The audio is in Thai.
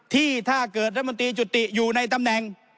ที่ถ้าเกิดรัฐมนตรีจุติอยู่ในตำแหน่ง